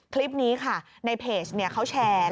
คลิปนี้ค่ะในเพจเขาแชร์